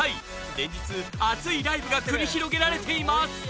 連日、熱いライブが繰り広げられています。